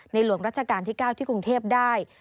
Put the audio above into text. หลวงรัชกาลที่๙ที่กรุงเทพได้